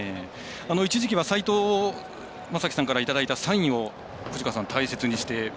一時期は斎藤雅樹さんからいただいたサインを、大切にして。